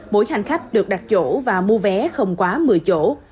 mỗi hành khách được đặt chỗ và mua vé không quá một mươi chỗ